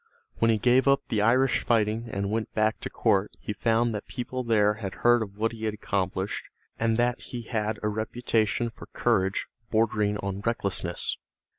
When he gave up the Irish fighting and went back to court he found that people there had heard of what he had accomplished and that he had a reputation for courage bordering on recklessness.